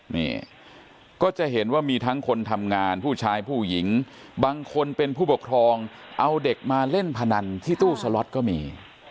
นี่ก็จะเห็นว่ามีทั้งคนทำงานผู้ชายผู้หญิงบางคนเป็นผู้ปกครองเอาเด็กมาเล่นพนันที่ตู้สล็อตก็มี